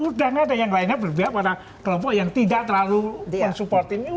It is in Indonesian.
mudahnya ada yang lainnya berpihak pada kelompok yang tidak terlalu mensupport ini